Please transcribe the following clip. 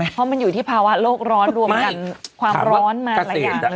เพราะมันอยู่ที่ภาวะโลกร้อนรวมกันความร้อนมาหลายอย่าง